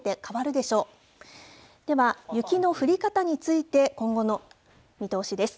では、雪の降り方について、今後の見通しです。